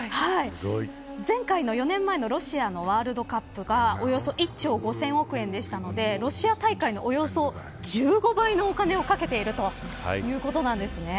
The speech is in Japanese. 前回の４年前のロシアのワールドカップがおよそ１兆５０００億円でしたのでロシア大会のおよそ１５倍のお金をかけているということなんです。